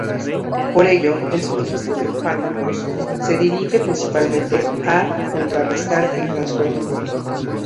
Por ello, el suministro de fármacos se dirige principalmente a contrarrestar el trastorno motor.